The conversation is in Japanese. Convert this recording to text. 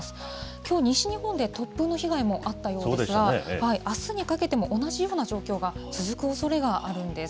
きょう西日本で突風の被害もあったようですが、あすにかけても同じような状況が続くおそれがあるんです。